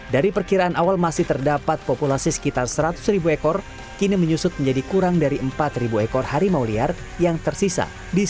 dari perkiraan awal masih terdapat populasi sekitar seratus ribu ekor kini menyusut menjadi kurang dari empat ekor harimau liar yang tersisa